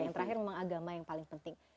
yang terakhir memang agama yang paling penting